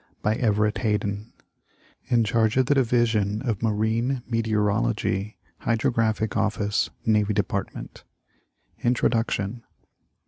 By Everett Hayden, In charge of the division of Marine Meteorology, Hydrographic Oifice, Navy Dept. Inteoduction.